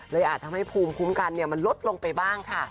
อาจทำให้ภูมิคุ้มกันมันลดลงไปบ้างค่ะ